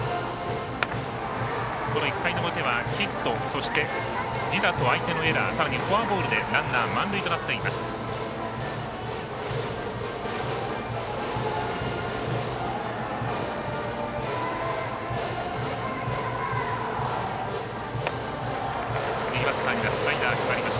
１回の表はヒット、犠打と相手のエラーさらにフォアボールで満塁となっています。